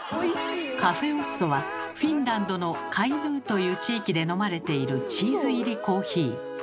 カフェオストはフィンランドのカイヌーという地域で飲まれているチーズ入りコーヒー。